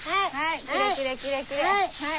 はい。